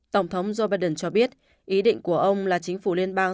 tổng thống joe biden cho biết ý định của ông là chính phủ liên bang